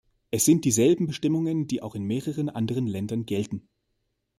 Es sind dieselben Bestimmungen, die auch in mehreren anderen Ländern gelten.